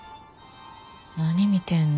何見てんの？